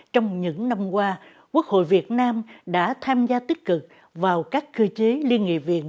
trong những năm qua quốc hội việt nam đã tham gia tích cực vào các cơ chế liên nghị viện